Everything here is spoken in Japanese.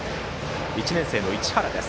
１年生の市原です。